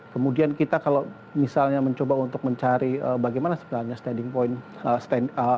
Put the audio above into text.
kemudian kita kalau misalnya mencoba untuk mencari bagaimana sebenarnya standing point stand up